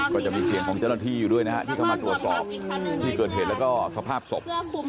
ก็จะมีเสียงของเจ้าหน้าที่อยู่ด้วยนะฮะที่เข้ามาตรวจสอบที่เกิดเหตุแล้วก็สภาพศพ